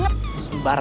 and juga itu